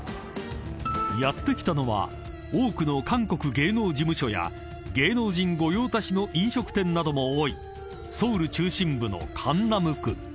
［やって来たのは多くの韓国芸能事務所や芸能人御用達の飲食店なども多いソウル中心部の江南区］